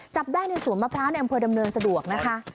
จับได้ในสวนมะพร้าวในอำเภอดำเนินสะดวกนะคะ